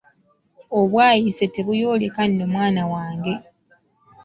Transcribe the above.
Obwayiise tebuyooleka nno mwana wange!